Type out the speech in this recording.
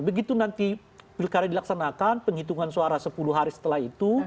begitu nanti pilkada dilaksanakan penghitungan suara sepuluh hari setelah itu